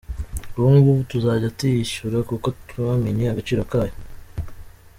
Ubungubu tuzajya tuyishyura kuko twamenye agaciro kayo.